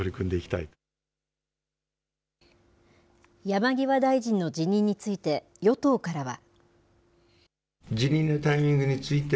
山際大臣の辞任について、与党からは。